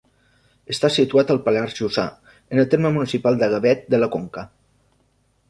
Està situat al Pallars Jussà, en el terme municipal de Gavet de la Conca.